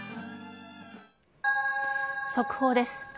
速報です。